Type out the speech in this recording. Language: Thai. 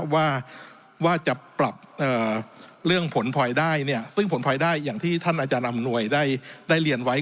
ว่าจะปรับเรื่องผลพลอยได้ซึ่งผลพลอยได้อย่างที่ท่านอาจารย์อำนวยได้เรียนไว้